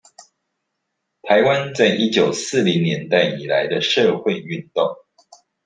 臺灣在一九四零年代以來的社會運動